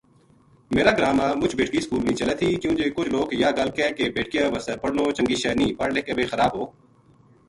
میرا گراں ما مُچ بیٹکی سکول نیہہ چلے تھی کیوں جے کُج لوک یاہ گَل کہہ کہ ” بیٹکیاں وس پڑھنو چنگی شے نیہہ پڑھ لکھ کے ویہ خراب ہو جائے “ خیر ہوں تم نا اپنی گہانی سناؤں